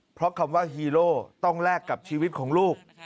เพราะคำว่าฮีโร่ต้องแลกกับชีวิตของลูก